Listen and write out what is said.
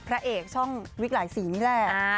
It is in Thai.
พระเอกช่องวิกหลายสีนี่แหละ